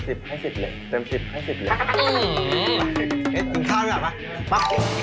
เฮ้จับกินข้าวดูก่อนก่อนปะ